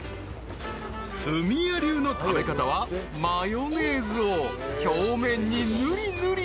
［フミヤ流の食べ方はマヨネーズを表面に塗り塗り］